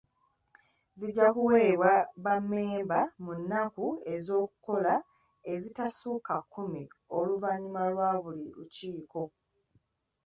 Zijja kuweebwa bammemba mu nnaku z'okukola ezitasukka kkumi oluvannyuma lwa buli lukiiko.